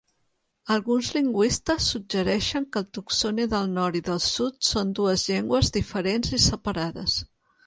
Alguns lingüistes suggereixen que el tutxone del nord i del sud són dues llengües diferents i separades.